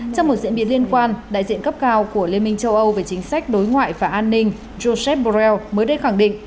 trong một diễn biến liên quan đại diện cấp cao của liên minh châu âu về chính sách đối ngoại và an ninh joseph borrell mới đây khẳng định